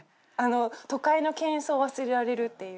都会の喧騒を忘れられるっていう。